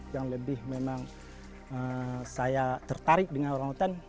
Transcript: yang lebih memang saya tertarik dengan orangutan